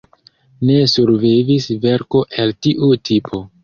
Ne survivis verko el tiu tipo.